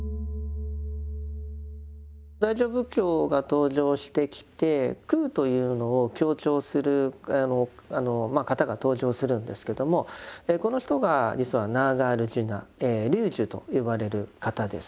大乗仏教が登場してきて空というのを強調する方が登場するんですけどもこの人が実はナーガールジュナ龍樹と呼ばれる方です。